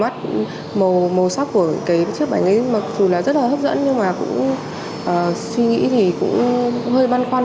mình thấy màu mắt màu sắc của chiếc bánh này dù là rất là hấp dẫn nhưng mà suy nghĩ thì cũng hơi băn khoăn